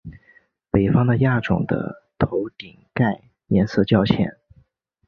北方的亚种的头顶盖颜色较浅。